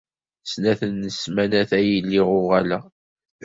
Snat n ssmanat ad iliɣ uɣaleɣ-d.